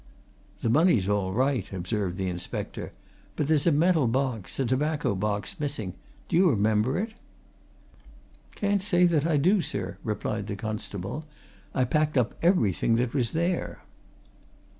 "The money is all right," observed the inspector. "But there's a metal box a tobacco box missing. Do you remember it?" "Can't say that I do, sir," replied the constable. "I packed up everything that was there."